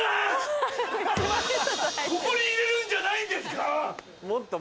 ここに入れるんじゃないんですか？